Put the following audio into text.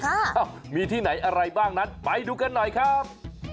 อ้าวมีที่ไหนอะไรบ้างนั้นไปดูกันหน่อยครับ